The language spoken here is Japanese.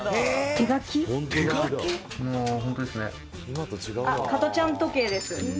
綾菜：「加トちゃん時計です」